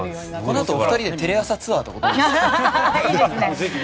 このあと２人でテレ朝ツアーとかどうですか？